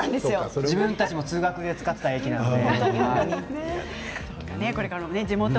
自分たちも通学で使ってた駅なので。